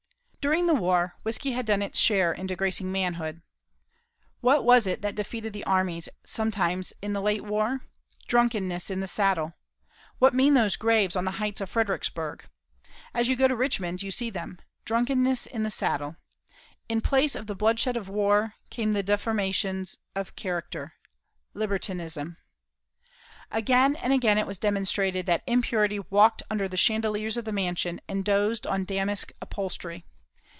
During the war whiskey had done its share in disgracing manhood. What was it that defeated the armies sometimes in the late war? Drunkenness in the saddle! What mean those graves on the heights of Fredericksburg? As you go to Richmond you see them. Drunkenness in the saddle. In place of the bloodshed of war, came the deformations of character, libertinism! Again and again it was demonstrated that impurity walked under the chandeliers of the mansion, and dozed on damask upholstery.